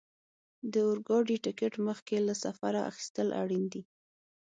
د اورګاډي ټکټ مخکې له سفره اخیستل اړین دي.